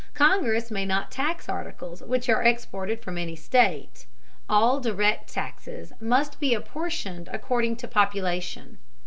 Congress may not tax articles which are exported from any state. All direct taxes must be apportioned according to population.